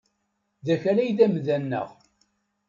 D Akal ay d amda-nneɣ.